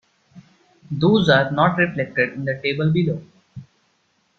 Those are not reflected in the table below.